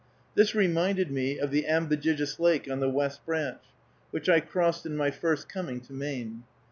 This reminded me of the Ambejijis Lake on the West Branch, which I crossed in my first coming to Maine.